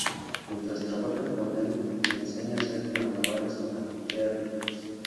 Mientras trabajan, O'Neill le enseña hacer malabares a Teal'c.